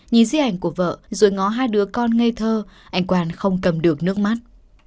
nhìn di ảnh của vợ dưới ngó hai đứa con ngây thơ anh quan không cầm được nước mắt